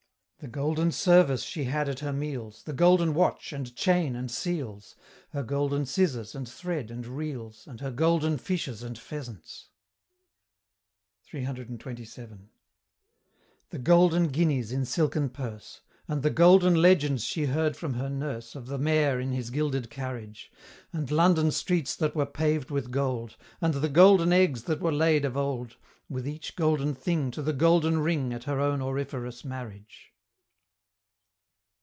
The golden service she had at her meals, The golden watch, and chain, and seals, Her golden scissors, and thread, and reels, And her golden fishes and pheasants! CCCXXVII. The golden guineas in silken purse And the Golden Legends she heard from her nurse Of the Mayor in his gilded carriage And London streets that were paved with gold And the Golden Eggs that were laid of old With each golden thing To the golden ring At her own auriferous Marriage!